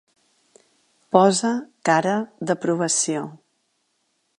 Posa cara d'aprovació.